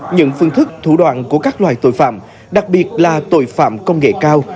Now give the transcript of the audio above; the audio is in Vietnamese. những phương thức thủ đoạn của các loài tội phạm đặc biệt là tội phạm công nghệ cao